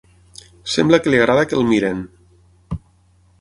Sembla que li agrada que el mirin.